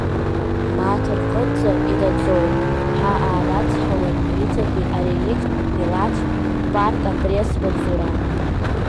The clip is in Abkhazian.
Мааҭ рҟынӡа инаӡоит, ҳәа аанацҳауеит Риҵатәи ареликттә милаҭтә парк апресс-маҵзура.